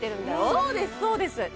そうですそうです